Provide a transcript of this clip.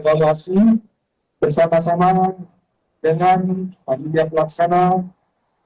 setelah itu di dalam proses pengamanan yang sedang berjalan ada kekurangan